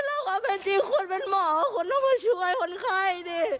แล้วความเป็นจริงคุณเป็นหมอคุณต้องมาช่วยคนไข้ดิ